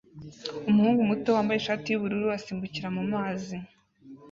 Umuhungu muto wambaye ishati yubururu asimbukira mumazi